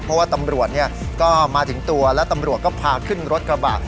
เพราะว่าตำรวจก็มาถึงตัวแล้วตำรวจก็พาขึ้นรถกระบะ